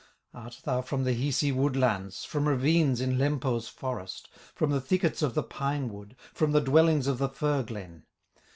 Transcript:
"Art thou from the Hisi woodlands, From ravines in Lempo's forest, From the thickets of the pine wood, From the dwellings of the fir glen?